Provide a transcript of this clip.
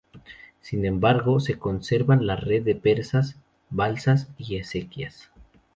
Sin embargo se conservan la red de presas, balsas y acequias.